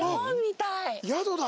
宿だ。